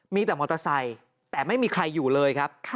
มีแต่มอเตอร์ไซค์แต่ไม่มีใครอยู่เลยครับ